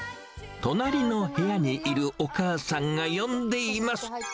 隣の部屋にいるお母さんが呼んでいます。